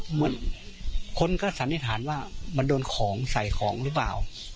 เหมือนคนก็สันนิษฐานว่ามันโดนของใส่ของหรือเปล่า